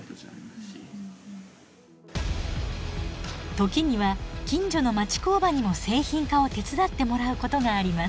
時には近所の町工場にも製品化を手伝ってもらうことがあります。